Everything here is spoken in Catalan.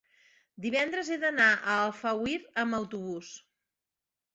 Divendres he d'anar a Alfauir amb autobús.